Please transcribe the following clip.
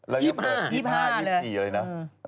๒๕เลยนะ๒๕๒๔เลยนะ